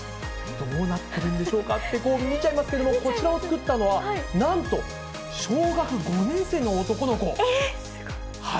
どうなってるんでしょうかと、こう見ちゃいますけど、こちらを作ったのは、なんと小学５年生のえっ、すごい。